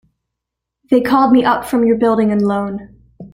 They called me up from your Building and Loan.